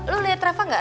lo liat rafa gak